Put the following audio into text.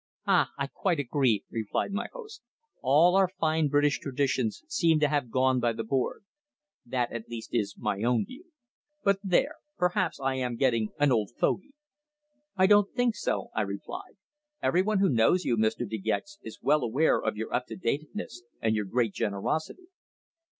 "Ah! I quite agree," replied my host. "All our fine British traditions seem to have gone by the board. That, at least, is my own view. But there perhaps I am getting an old fogey." "I don't think so," I replied. "Everyone who knows you, Mr. De Gex, is well aware of your up to dateness, and your great generosity."